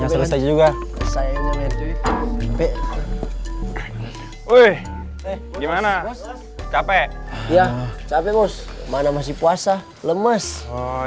hai uh capek banget juga saya mencoba woi gimana capek capek mana masih puasa lemes oh